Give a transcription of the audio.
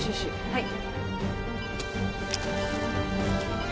はい。